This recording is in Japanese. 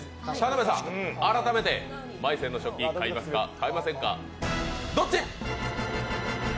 田辺さん、改めてマイセンの食器、買いますか買いませんか。